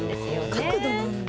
角度なんだ。